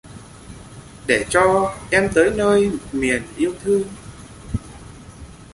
Để cho em tới nơi miền yêu thương